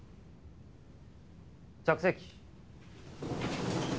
着席。